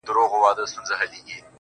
چي په سندرو کي چي پېغلې نوم په ورا وايي_